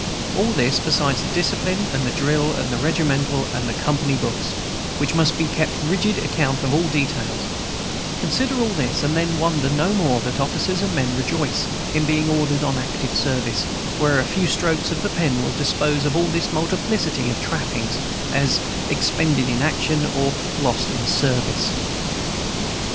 All this, beside the discipline and the drill and the regimental and company books, which must keep rigid account of all these details; consider all this, and then wonder no more that officers and men rejoice in being ordered on active service, where a few strokes of the pen will dispose of all this multiplicity of trappings as "expended in action" or "lost in service."